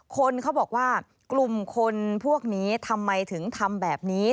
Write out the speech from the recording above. คนเขาบอกว่ากลุ่มคนพวกนี้ทำไมถึงทำแบบนี้